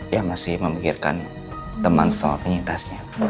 ya masih memikirkan teman sama penyintasnya